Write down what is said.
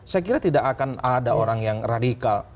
saya kira tidak akan ada orang yang radikal